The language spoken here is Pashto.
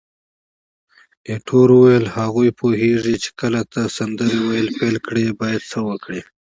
ایټور وویل: هغوی پوهیږي چې کله ته سندرې ویل پیل کړې باید څه وکړي.